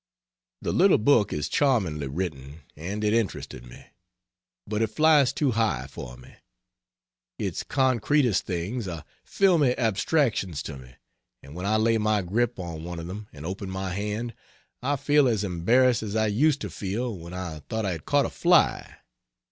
The little book is charmingly written, and it interested me. But it flies too high for me. Its concretest things are filmy abstractions to me, and when I lay my grip on one of them and open my hand, I feel as embarrassed as I use to feel when I thought I had caught a fly.